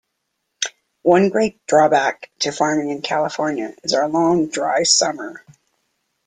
One great drawback to farming in California is our long dry summer.